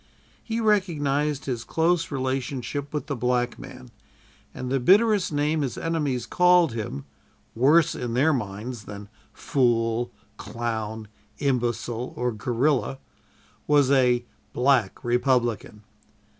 He recognized his close relationship with the black man, and the bitterest name his enemies called him worse in their minds than "fool," "clown," "imbecile" or "gorilla" was a "Black Republican."